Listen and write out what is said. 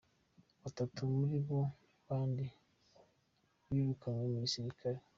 Batatu muri bo kandi birukanywe mu gisirikare.